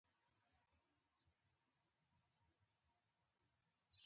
عبارت د مانا نخښه ده.